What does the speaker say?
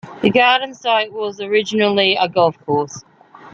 The Garden site was originally a golf course.